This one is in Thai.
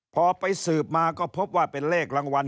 พอไปสืบมาก็พบว่าเป็นเลขรางวัล